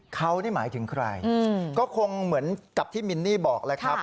เขานี่หมายถึงใครก็คงเหมือนกับที่มินนี่บอกแล้วครับ